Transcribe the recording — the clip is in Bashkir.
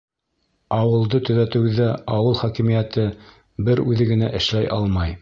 Ауылды төҙәтеүҙә ауыл хакимиәте бер үҙе генә эшләй алмай.